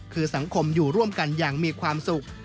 คือสังคมอยู่ร่วมกันอย่างมีความสุข